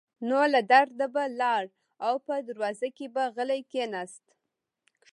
نو له درده به لاړ او په دروازه کې به غلی کېناست.